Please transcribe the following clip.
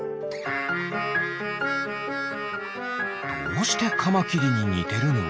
どうしてカマキリににてるの？